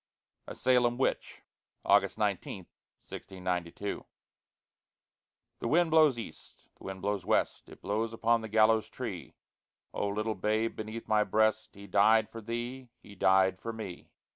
A SALEM WITCH [August 19, 1692] The wind blows east, the wind blows west, It blows upon the gallows tree: Oh, little babe beneath my breast, He died for thee! he died for me!